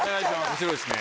面白いですね。